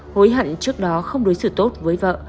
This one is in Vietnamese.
hối hận trước đó không đối xử tốt với vợ